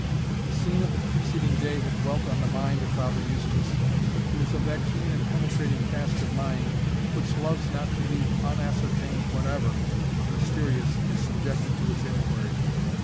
The scene of the preceding day had dwelt on the mind of Father Eustace, who was of that keen and penetrating cast of mind which loves not to leave unascertained whatever of mysterious is subjected to its inquiry.